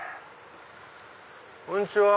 こんにちは。